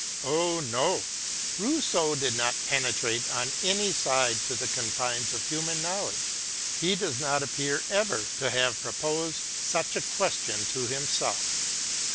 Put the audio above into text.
Oh no ! Rousseau did not penetrate on any side to the confines of human knowledge ; he does not appear ever to have pro posed such a question to himself.